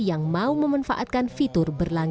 yang mau memenangkan kekuasaan